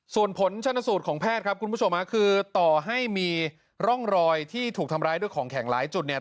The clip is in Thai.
ส่วนผลชนสูตรของแพทย์ครับคุณผู้ชมคือต่อให้มีร่องรอยที่ถูกทำร้ายด้วยของแข็งหลายจุดเนี่ย